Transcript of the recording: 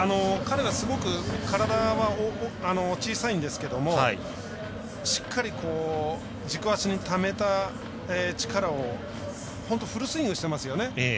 彼はすごく体は小さいんですけどしっかり、軸足にためた力を本当にフルスイングしてますよね。